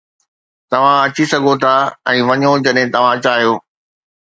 توهان اچي سگهو ٿا ۽ وڃو جڏهن توهان چاهيو